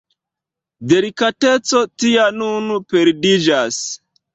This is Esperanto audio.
Delikateco tia nun perdiĝas.